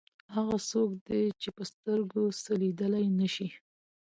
هغه څوک دی چې په سترګو څه لیدلی نه شي.